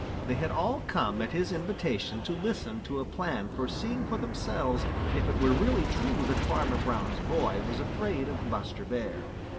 They had all come at his invitation to listen to a plan for seeing for themselves if it were really true that Farmer Brown's boy was afraid of Buster Bear.